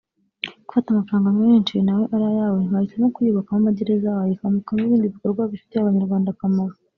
Gufata amafaranga menshi nawe ari ayawe ntiwahitamo kuyubakamo amagereza wayubakamo ibindi bikorwa bifitiye Abanyarwanda akamaro